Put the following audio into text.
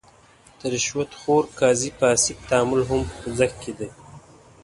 د رشوت خور قاضي فاسد تعامل هم په خوځښت کې دی.